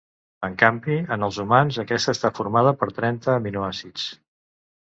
En canvi, en els humans, aquesta està formada per trenta aminoàcids.